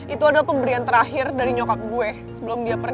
itu adalah pemberian terakhir dari nyokap gue sebelum dia pergi